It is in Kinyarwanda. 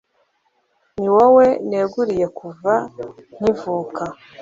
Ni wowe neguriwe kuva nkivuka